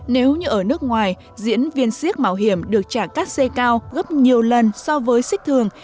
nếu như ở nước ngoài diễn viên siếc mạo hiểm được trả các c cao gấp nhiều lần so với xích thường